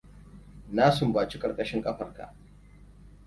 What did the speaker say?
Na sumbaci ƙarƙashin ƙafarka.